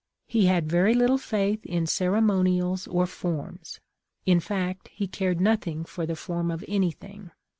He had very little faith in ceremonials or forms. In fact he cared nothing for the form of anything.